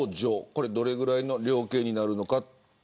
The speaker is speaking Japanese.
これはどのぐらいの量刑になるのか。